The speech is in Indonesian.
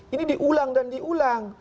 ini diulang dan diulang